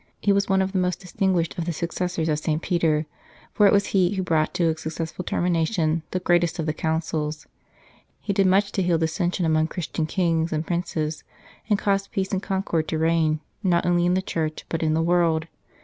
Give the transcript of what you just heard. He was one of the most distinguished of the successors of St. Peter, for it was he who brought to a successful termination the greatest of the Councils. He did much to heal dissension among Christian Kings and Princes, and cause peace and concord to reign, not only in the Church, but in the world.